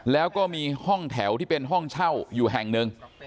แล้วก็มีห้องแถวที่เป็นห้องเช่าอยู่แห่งหนึ่ง